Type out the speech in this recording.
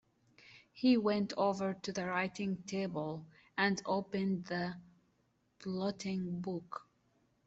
He went over to the writing-table and opened the blotting-book.